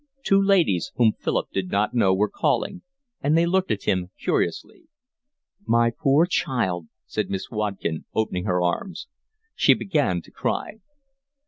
Two ladies, whom Philip did not know, were calling, and they looked at him curiously. "My poor child," said Miss Watkin, opening her arms. She began to cry.